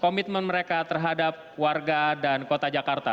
komitmen mereka terhadap warga dan kota jakarta